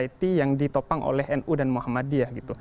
dan kekuatan sosial yang ditopang oleh nu dan muhammadiyah